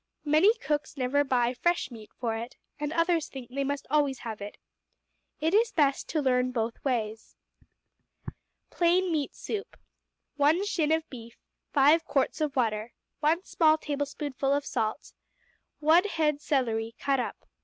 Many cooks never buy fresh meat for it, and others think they must always have it. It is best to learn both ways. Plain Meat Soup 1 shin of beef. 5 quarts of water. 1 small tablespoonful of salt. 1 head celery, cut up.